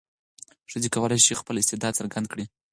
ښځې کولای شي خپل استعداد څرګند کړي.